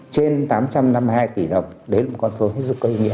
trên tám trăm năm mươi hai tỷ đồng đến một con số rất là có ý nghĩa